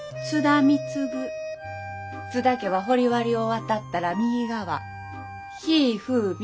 津田家は掘り割りを渡ったら右側ひいふうみ